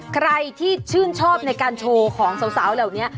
ใครที่ชื่นชอบในการโชว์ของสาวเหล่านี้